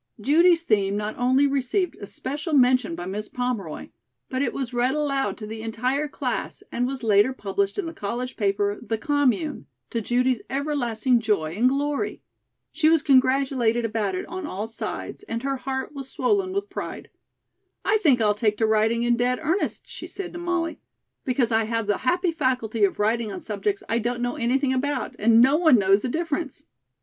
Judy's theme not only received especial mention by Miss Pomeroy, but it was read aloud to the entire class and was later published in the college paper, The Commune, to Judy's everlasting joy and glory. She was congratulated about it on all sides and her heart was swollen with pride. "I think I'll take to writing in dead earnest," she said to Molly, "because I have the happy faculty of writing on subjects I don't know anything about, and no one knows the difference."